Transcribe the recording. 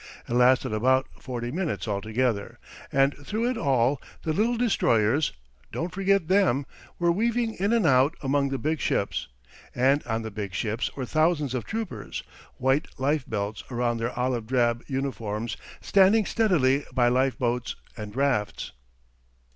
It lasted about forty minutes altogether, and through it all the little destroyers don't forget them were weaving in and out among the big ships; and on the big ships were thousands of troopers, white life belts around their olive drab uniforms, standing steadily by life boats and rafts.